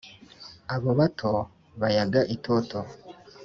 Abo bato bayaga itoto